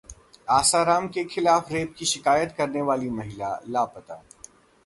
आसाराम के खिलाफ रेप की शिकायत करने वाली महिला लापता